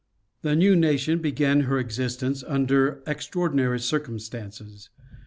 The new nation began her existence under extraordinary cir cumstances.